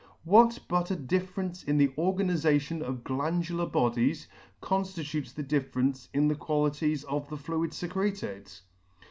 What but a difference in the organization of glandular bodies, conflitutes the difference in the qualities of the fluids fecreted